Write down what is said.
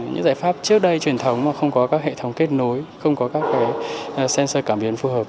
những giải pháp trước đây truyền thống mà không có các hệ thống kết nối không có các censer cảm biến phù hợp